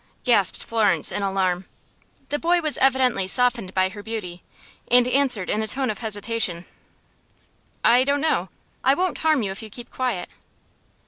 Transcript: gasped Florence, in alarm. The boy was evidently softened by her beauty, and answered in a tone of hesitation: "I don't know. I won't harm you if you keep quiet."